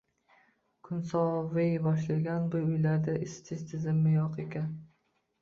Kun soviy boshlagan, bu uylarda isitish tizimi yo`q ekan